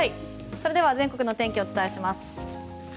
それでは全国の天気お伝えします。